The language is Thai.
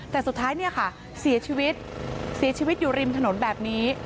แต่สุดท้ายเสียชีวิตอยู่ริมถนนแบบนี้